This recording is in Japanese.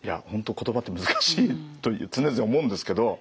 言葉って難しいと常々思うんですけど。